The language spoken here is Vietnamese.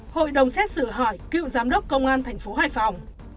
hội đồng xét xử hỏi cựu giám đốc công an thành phố hải phòng